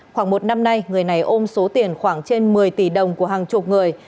khoảng một năm nay người này ôm số tiền khoảng trên một mươi tỷ đồng của hàng chục người